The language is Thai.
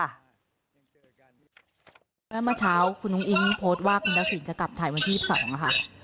แล้วเมื่อเช้าคุณอุ้งอิงโพสต์ว่าคุณทักศิลป์จะกลับไทยวันที่๒๒สิงหาค่ะ